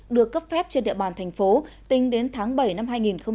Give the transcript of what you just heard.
được cấp phép trên địa bàn thành phố tính đến tháng bảy năm hai nghìn hai mươi